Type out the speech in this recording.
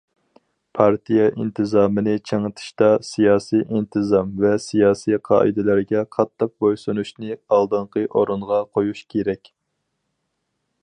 پارتىيە ئىنتىزامىنى چىڭىتىشتا سىياسىي ئىنتىزام ۋە سىياسىي قائىدىلەرگە قاتتىق بويسۇنۇشنى ئالدىنقى ئورۇنغا قويۇش كېرەك.